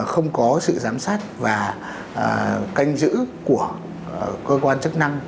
không có sự giám sát và canh giữ của cơ quan chức năng